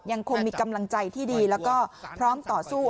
ยังคงมีกำลังใจที่ดีแล้วก็พร้อมต่อสู้